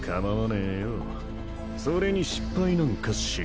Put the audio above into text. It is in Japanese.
それに失敗なんかしねえ。